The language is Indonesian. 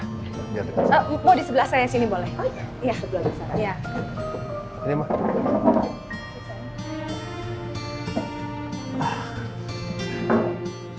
iya sebelah bisa